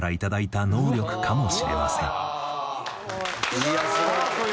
いやすごい。